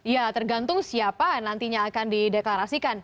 ya tergantung siapa yang nantinya akan di deklarasikan